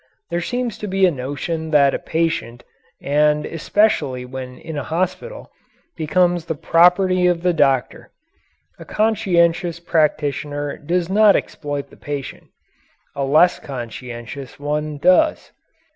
There seems to be a notion that a patient, and especially when in a hospital, becomes the property of the doctor. A conscientious practitioner does not exploit the patient. A less conscientious one does.